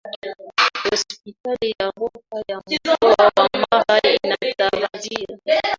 Hospitali ya rufaa ya mkoa wa mara inatarajiwa